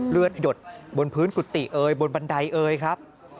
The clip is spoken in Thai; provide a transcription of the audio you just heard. หยดบนพื้นกุฏิเอยบนบันไดเอยครับ